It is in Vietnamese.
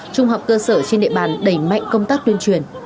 trung học cơ sở trên địa bàn đẩy mạnh công tác tuyên truyền